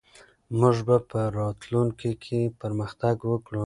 موږ به په راتلونکي کې پرمختګ وکړو.